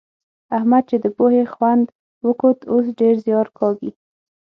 احمد چې د پوهې خوند وکوت؛ اوس ډېر زيار کاږي.